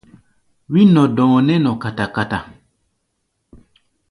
Wí-nɔ-dɔ̧ɔ̧ nɛ́ nɔ kata-kata.